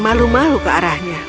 malu malu ke arahnya